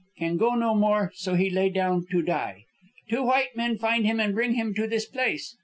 Can go no more, so he lay down to die. Two white men find him and bring him to this place.